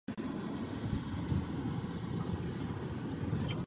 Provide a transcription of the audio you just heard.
V této reformě může hrát Evropská unie zásadní roli.